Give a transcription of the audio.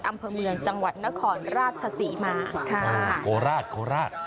อำเภอเมืองจังหวัดนครราชศรีมาค่ะโคราชโคราช